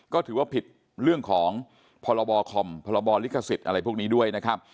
ก็ถือว่าผิดเรื่องของพรบคอมพรบลิขสิทธิ์อะไรพวกนี้ด้วยนะครับ